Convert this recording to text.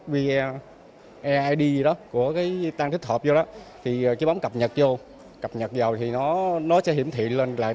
vì eid đó của cái tăng tích hợp vô đó thì cái bấm cập nhật vô cập nhật vào thì nó sẽ hiểm thiện lên lại